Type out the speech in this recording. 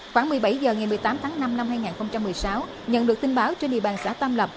khoảng một mươi bảy h ngày một mươi tám tháng năm năm hai nghìn một mươi sáu nhận được tin báo trên địa bàn xã tam lập